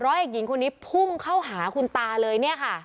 เอกหญิงคนนี้พุ่งเข้าหาคุณตาเลยเนี่ยค่ะ